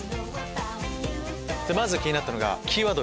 まず気になったのがキーワード